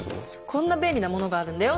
「こんな便利なものがあるんだよ